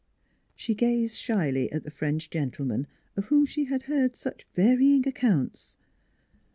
She gazed shyly at the French gentleman, of whom she had heard such varying accounts.